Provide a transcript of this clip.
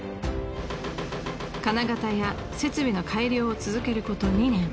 金型や設備の改良を続けること２年。